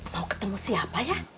mau ketemu siapa ya